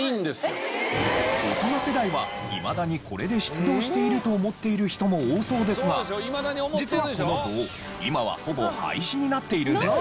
大人世代はいまだにこれで出動していると思っている人も多そうですが実はこの棒今はほぼ廃止になっているんです。